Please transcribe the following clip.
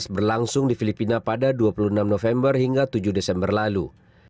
berlangsung di filipina pada dua puluh enam november hingga tujuh desember lalu